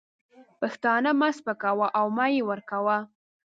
پښتانه مه سپکوه او مه یې ورکوه.